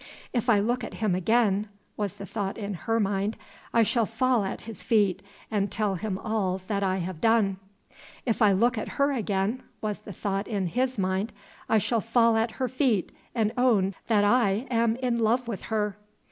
"If I look at him again" (was the thought in her mind) "I shall fall at his feet and tell him all that I have done!" "If I look at her again" (was the thought in his mind) "I shall fall at her feet and own that I am in love with her!"